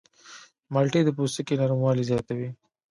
مالټې د پوستکي نرموالی زیاتوي.